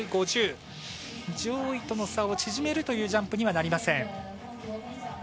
上位との差を縮めるというジャンプにはなりません。